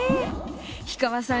氷川さん